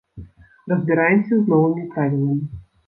Разбіраемся з новымі правіламі.